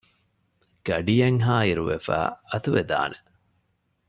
ގަޑިއެއްހާއިރުވެފައި އަތުވެދާނެ